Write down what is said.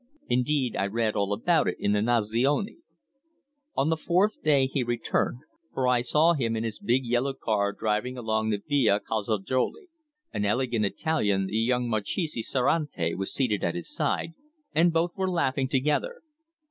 Indeed, I read all about it in the Nazione. On the fourth day he returned, for I saw him in his big yellow car driving along the Via Calzajoli. An elegant Italian, the young Marchese Cerretani, was seated at his side, and both were laughing together.